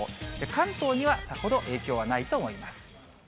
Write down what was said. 関東にはさほど影響はないと思います。